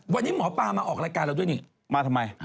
วันนี้หมอปลามาออกรายการเราด้วยนี่มาทำไม